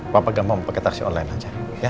bapak gampang pakai taksi online aja